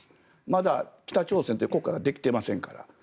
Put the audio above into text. まだ北朝鮮という国家ができていませんから。